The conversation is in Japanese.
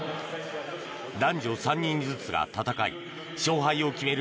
男女３人ずつが戦い勝敗を決める